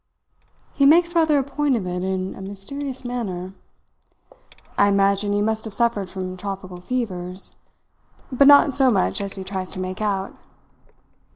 He makes rather a point of it in a mysterious manner. I imagine he must have suffered from tropical fevers, but not so much as he tries to make out.